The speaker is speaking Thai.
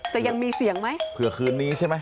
จะยังมีเสียงไหมเผื่อคืนนี้ใช่ไหม